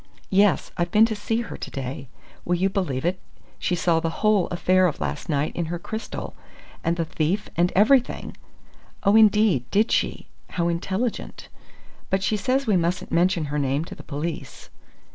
"Yes. I've been to see her to day. Will you believe it, she saw the whole affair of last night in her crystal and the thief, and everything!" "Oh, indeed, did she? How intelligent." "But she says we mustn't mention her name to the police."